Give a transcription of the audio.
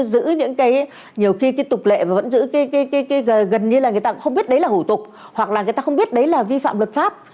giữ những cái nhiều khi cái tục lệ và vẫn giữ gần như là người ta cũng không biết đấy là hủ tục hoặc là người ta không biết đấy là vi phạm luật pháp